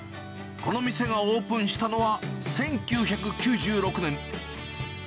この店がオープンしたのは１９９６年。